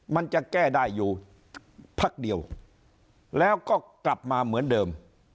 มันจะแก้ได้อยู่พักเดียวแล้วก็กลับมาเหมือนเดิม